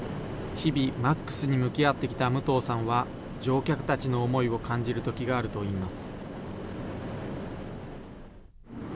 日々、Ｍａｘに向き合ってきた武藤さんは、乗客たちの思いを感じるときがあるといいます。